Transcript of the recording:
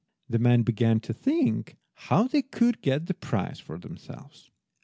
The men began to think how they could get the prize for themselves.